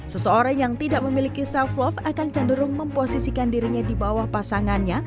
seseorang yang tidak memiliki self love akan cenderung memposisikan dirinya di bawah pasangannya